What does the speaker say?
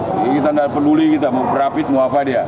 kita nggak peduli kita mau perapit mau apa dia